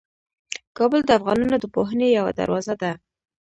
کابل د افغانانو د پوهنې یوه دروازه ده.